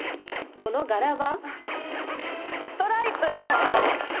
この柄は？